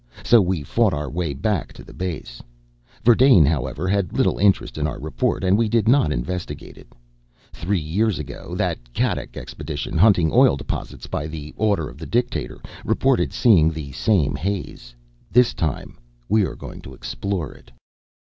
So we fought our way back to the base. "Verdane, however, had little interest in our report and we did not investigate it. Three years ago that Kattack expedition, hunting oil deposits by the order of the Dictator, reported seeing the same haze. This time we are going to explore it!"